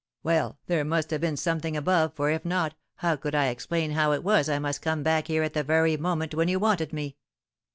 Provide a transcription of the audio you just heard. Well, there must have been something above, for if not, how could I explain how it was I must come back here at the very moment when you wanted me?